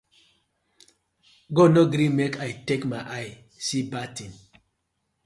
God no gree mek I take my eye see bad tin.